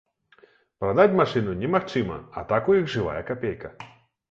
Прадаць машыну немагчыма, а так у іх жывая капейка.